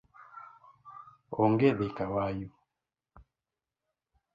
Onge dhi kawayu